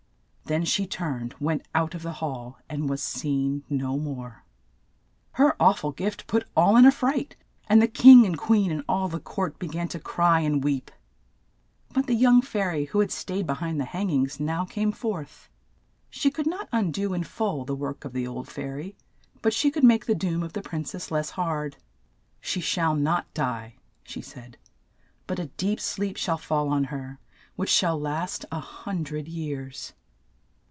Then she turned, went out of the hall, and was seen no more. Her aw ful gift put all in a fright, and the king and queen and all the court be gan to cry and weep. But the young fai ry who had staid be hind the hang ings now came forth. She could not un do in full the work of the old fai ry, but she could make the doom ot the prin cess less hard. '' She shall not die. '' she said, '' but a deep sleep shall fall on her, which shall last a hun dred years."